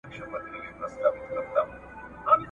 کله چې پوهنه په ټولنه کې پیاوړې شي، ناپوهي د ودې فرصت نه مومي.